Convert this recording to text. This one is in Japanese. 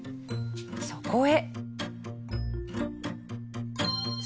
そこへ。